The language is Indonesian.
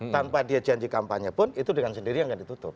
tanpa dia janji kampanye pun itu dengan sendirinya nggak ditutup